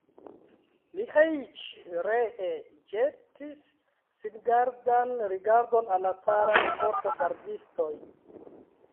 Miĥeiĉ ree ĵetis singardan rigardon al la caraj korpogardistoj.